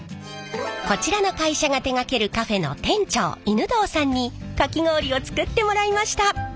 こちらの会社が手がけるカフェの店長犬童さんにかき氷を作ってもらいました。